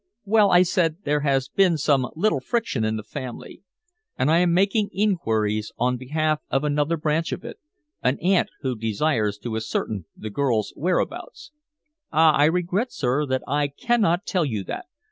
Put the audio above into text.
"Well," I said, "there has been some little friction in the family, and I am making inquiries on behalf of another branch of it an aunt who desires to ascertain the girl's whereabouts." "Ah, I regret, sir, that I cannot tell you that.